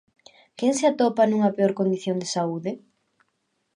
Quen se atopa nunha peor condición de saúde?